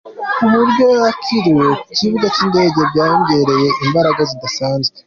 Uburyo nakiriwe ku kibuga cy’indege byanyongereye imbaraga zidasanzwe.